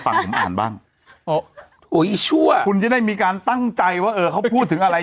ฟังผมอ่านบ้างโอ้อีชั่วคุณจะได้มีการตั้งใจว่าเออเขาพูดถึงอะไร